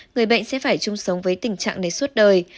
người bệnh sẽ phải chung sống với tình trạng này suốt đời